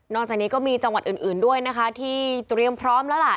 จากนี้ก็มีจังหวัดอื่นด้วยนะคะที่เตรียมพร้อมแล้วล่ะ